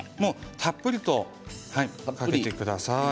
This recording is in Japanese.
たっぷりとかけてください